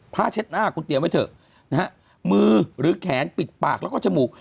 เช็ดหน้าคุณเตรียมไว้เถอะนะฮะมือหรือแขนปิดปากแล้วก็จมูก